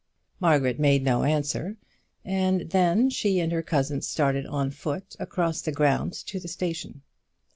Margaret made no answer, and then she and her cousin started on foot across the grounds to the station.